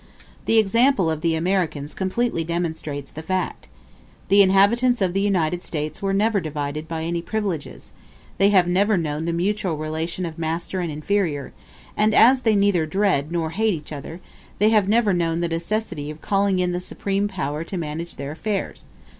The example of the Americans completely demonstrates the fact. The inhabitants of the United States were never divided by any privileges; they have never known the mutual relation of master and inferior, and as they neither dread nor hate each other, they have never known the necessity of calling in the supreme power to manage their affairs.